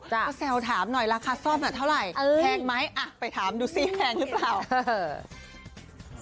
ก็แซวถามหน่อยราคาซ่อมน่ะเท่าไหร่แพงไหมอ่ะไปถามดูสิแพงหรือเปล่า